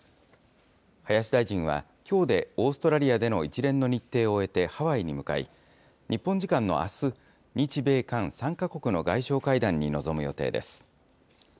林大臣は、きょうでオーストラリアでの一連の日程を終えてハワイに向かい、日本時間のあす、日米韓３か国の外相会談に臨む予定です。